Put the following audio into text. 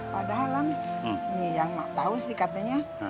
padahal yang mak tau sih katanya